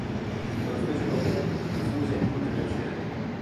Sono specie comuni, diffuse in tutti gli oceani.